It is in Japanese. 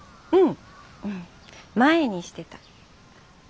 うん。